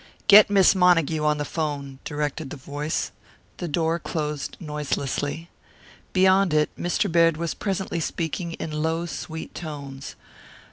"Get Miss Montague on the 'phone," directed the voice. The door closed noiselessly. Beyond it Mr. Baird was presently speaking in low, sweet tones.